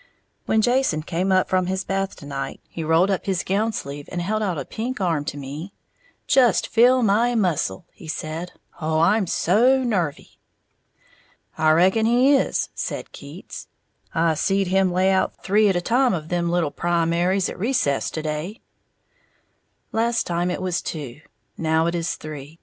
When Jason came up from his bath to night, he rolled up his gown sleeve and held out a pink arm to me. "Just feel my muscle," he said, "Oh, I'm so nervy!" [Illustration: "'Just feel my muscle,' he said, 'Oh, I'm so nervy!'"] "I reckon he is," said Keats, "I seed him lay out three at a time of them little primaries at recess to day." Last time it was two, now it is three.